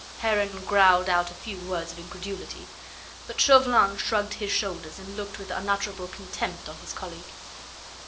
Heron growled out a few words of incredulity. But Chauvelin shrugged his shoulders and looked with unutterable contempt on his colleague.